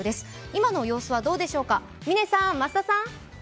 今の様子はどうでしょうか。